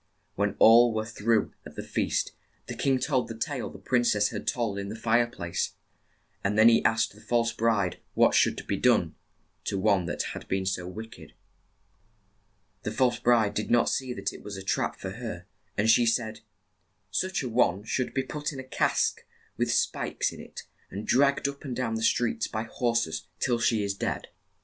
When all were through at the feast, the king told the tale the prin cess had told in the fire place, and then he asked the false bride what should be done to one that had been so wick ed. The false bride did not see that it was a trap for her, and she said, "Such a one should be put in a cask with spikes in it, and dragged up and down the streets by hor ses till she is dead."